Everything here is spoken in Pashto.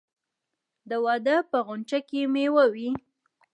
د واده په خنچه کې میوه وي.